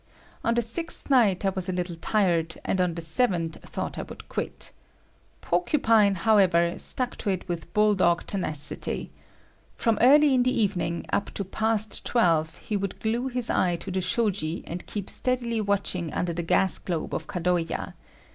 On the sixth night I was a little tired, and on the seventh thought I would quit. Porcupine, however, stuck to it with bull dog tenacity. From early in the evening up to past twelve, he would glue his eye to the shoji and keep steadily watching under the gas globe of Kadoya.